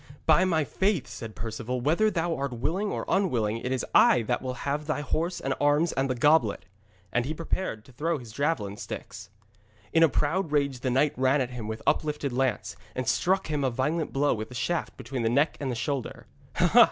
'By my faith,' said Perceval, 'whether thou art willing or unwilling, it is I that will have thy horse and arms and the goblet.' And he prepared to throw his javelin sticks. In a proud rage the knight ran at him with uplifted lance, and struck him a violent blow with the shaft between the neck and the shoulder.